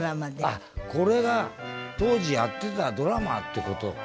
あこれが当時やってたドラマってこと？